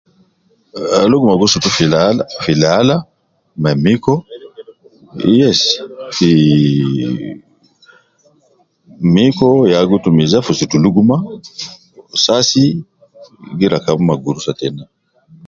Ahhh, luguma gi sutu fi laala, fi laala ma miko, yyes ,fiii, miko ya gi tumiza fi sutu luguma, wu sasi gi rakab ma gurusa tena